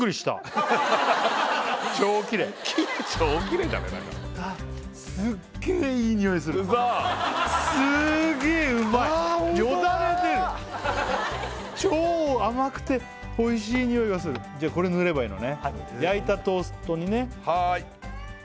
ホントだ超甘くておいしい匂いがするこれ塗ればいいのね焼いたトーストにねはーい！